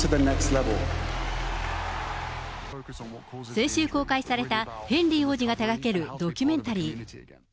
先週公開された、ヘンリー王子が手がけるドキュメンタリー。